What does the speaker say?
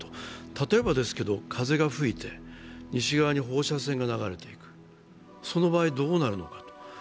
例えば風が吹いて西側に放射線が流れていく、その場合、どうなるのか。